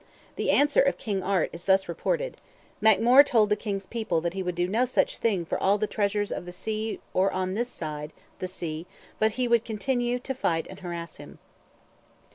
The answer of King Art is thus reported: "MacMore told the King's people he would do no such thing for all the treasures of the sea or on this side, (the sea,) but would continue to fight and harass him."